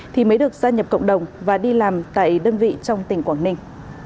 thì mới được gia nhập cộng đồng và đi làm tại đơn vị trong tỉnh quảng ninh